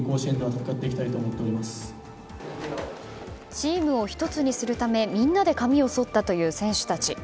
チームを１つにするためみんなで髪をそったという選手たち。